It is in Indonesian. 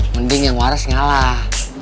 mending yang waras ngalah